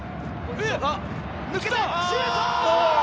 抜けた、シュート！